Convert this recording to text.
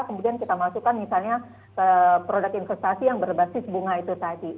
kemudian kita masukkan misalnya produk investasi yang berbasis bunga itu tadi